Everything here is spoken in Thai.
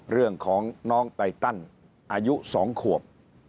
เรื่องของน้องไตตันอายุ๒ขวบ